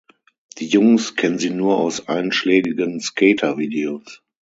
Die Jungs kennen sie nur aus einschlägigen Skater-Videos.